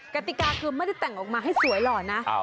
กติกาคือไม่ได้แต่งออกมาให้สวยหล่อนะ